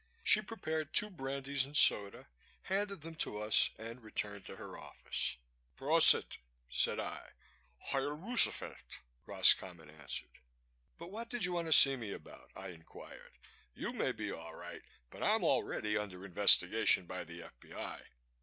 She prepared two brandies and soda, handed them to us and returned to her office. "Prosit!" said I. "Heil Roosevelt!" Roscommon answered. "But what did you want to see me about?" I inquired. "You may be all right but I'm already under investigation by the F.B.I."